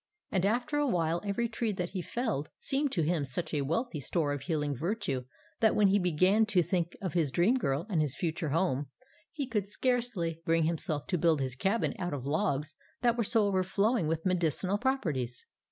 And after awhile every tree that he felled seemed to him such a wealthy store of healing virtue that, when he began to think of his dream girl and his future home, he could scarcely bring himself to build his cabin out of logs that were so overflowing with medicinal properties.